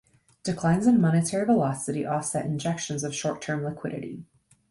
Declines in monetary velocity offset injections of short-term liquidity.